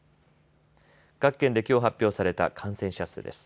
各県できょう発表された感染者数です。